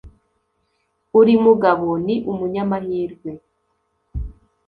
Uri mugabo ni umunyamahirwe